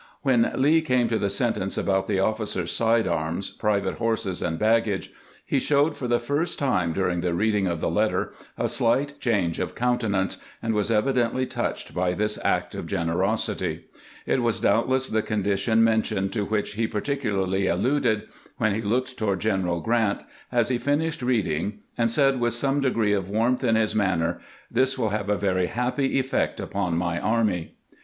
When Lee came to the sentence about the officers' side arms, private horses, and baggage, he showed for the first time during the reading of the letter a slight change of countenance, and was evidently touched by this act of generosity. It was doubtless the condition mentioned to which he particu larly alluded when he looked toward General Grant, as he finished reading, and said with some degree of warmth in his manner, " This will have a very happy effect upon my army."